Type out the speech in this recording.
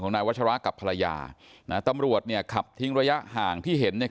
นายวัชรากับภรรยานะตำรวจเนี่ยขับทิ้งระยะห่างที่เห็นเนี่ย